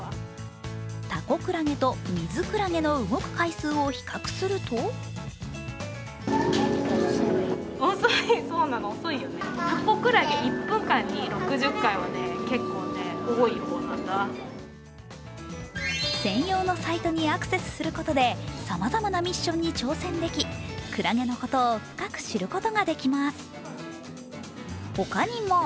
タコクラゲとミズクラゲの動く回数を比較すると専用のサイトにアクセスすることでさまざまなミッションに挑戦することができクラゲのことを深く知ることができます。